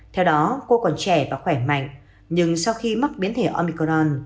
theo đó cô còn trẻ và khỏe mạnh nhưng sau khi mắc biến thể omicronon